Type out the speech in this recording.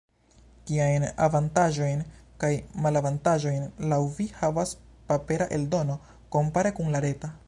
Kiajn avantaĝojn kaj malavantaĝojn laŭ vi havas papera eldono, kompare kun la reta?